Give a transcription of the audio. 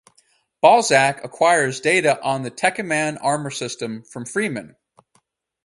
Balzac acquires data on the Tekkaman armor system from Freeman.